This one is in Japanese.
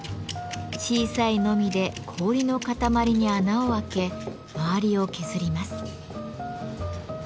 小さいノミで氷の塊に穴を開け周りを削ります。